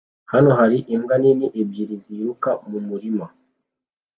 Hano hari imbwa nini ebyiri ziruka mu murima